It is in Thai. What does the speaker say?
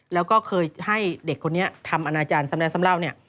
แล้วก็เคยให้เด็กคนนี้ทำอาณาจารย์ซ้ำแล้วเนี่ย